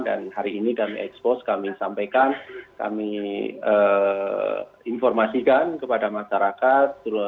dan hari ini kami ekspos kami sampaikan kami informasikan kepada masyarakat